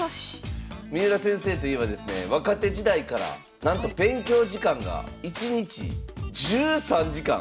三浦先生といえばですね若手時代からなんと勉強時間が１日１３時間。